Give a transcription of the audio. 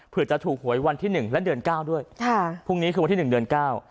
เพื่อจะถูกหวยวันที่หนึ่งและเดือนเก้าด้วยค่ะพรุ่งนี้คือวันที่หนึ่งเดือนเก้า